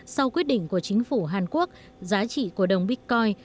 sau quyết định của chính phủ hàn quốc giá trị của đồng bitcoin